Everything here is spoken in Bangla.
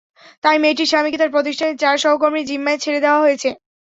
তাই মেয়েটির স্বামীকে তাঁর প্রতিষ্ঠানের চার সহকর্মীর জিম্মায় ছেড়ে দেওয়া হয়েছে।